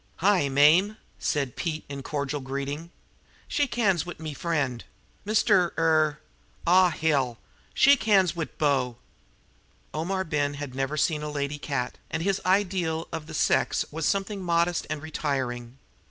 "Hi, Mame!" said Pete, in cordial greeting. "Shake hands wid me friend, Mr. er aw hell! Shake hands wid bo!" Omar Ben had never seen a lady cat, and his ideal of the sex was something modest and retiring.